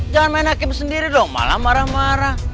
jangan main hakim sendiri dong malah marah marah